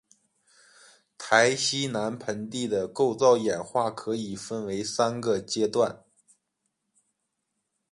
台西南盆地的构造演化可以分为三个阶段。